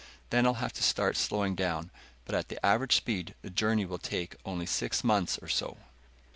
Then I'll have to start slowing down, but at the average speed the journey will take only six months or so."